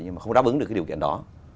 nhưng mà không đáp ứng được cái điều kiện đó